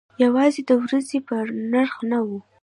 یوازې د ورځې په نرخ نه و.